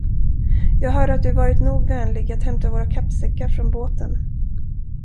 Jag hör att du varit nog vänlig att hämta våra kappsäckar från båten.